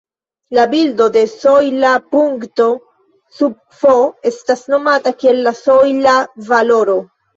La bildo de sojla punkto sub "f" estas nomata kiel la sojla valoro.